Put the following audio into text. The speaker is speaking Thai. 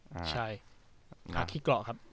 ใช่ฮาขี้เกาะครับ